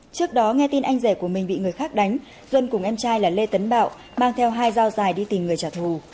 trước đó nghe tin anh rể của mình bị người khác đánh duân cùng em trai là lê tấn bảo mang theo hai dao dài đi tìm người trả thù